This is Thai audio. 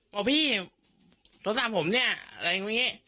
บอกพี่โทรศัพท์ผมเนี่ยอะไรอย่างนี้